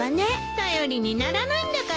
頼りにならないんだから。